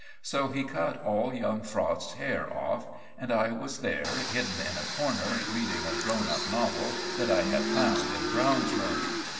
So he cut all young Frost's hair off; and I was there, hidden in a corner reading a grown up novel that I had found in Browne's room.